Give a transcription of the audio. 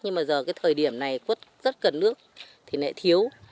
nhưng mà giờ cái thời điểm này cốt rất cần nước thì nó lại thiếu